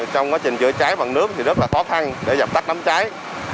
trong quá trình chữa cháy bằng nước thì rất là khó khăn để dập tắt đám cháy